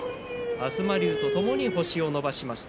東龍とともに星を伸ばしました。